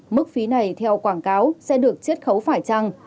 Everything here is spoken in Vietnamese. mức phí này theo quảng cáo sẽ được chiết khấu phải trăng